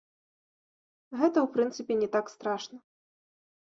Гэта ў прынцыпе не так страшна.